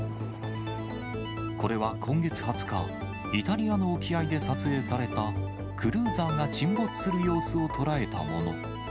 これは今月２０日、イタリアの沖合で撮影された、クルーザーが沈没する様子を捉えたもの。